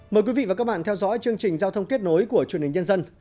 mời quý vị và các bạn theo dõi chương trình giao thông kết nối của truyền hình nhân dân